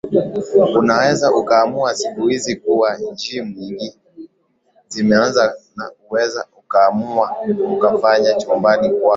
unaweza ukaamua siku hizi kuna gim nyingi zimeanza na unaweza ukaamua ukafanya chumbani kwako